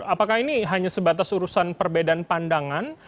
apakah ini hanya sebatas urusan perbedaan pandangan